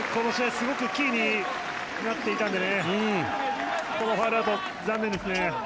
すごくキーになっていたのでこのファウルアウトは残念ですね。